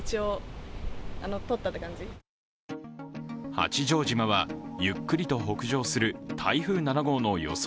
八丈島はゆっくりと北上する台風７号の予想